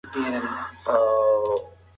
مکناتن هڅه وکړه مقاومت وکړي خو بې وسه شو.